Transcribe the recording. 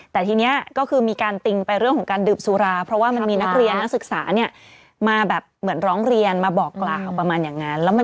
แต่ทีนี้ก็คือมีการติงไปเรื่องดูบสุราไปเพราะมีนักเรียนศึกษามาร้องเรียนมาบอกเหล่า